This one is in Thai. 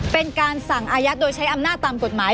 เป็นการสั่งอายัดโดยใช้อำนาจตามกฎหมาย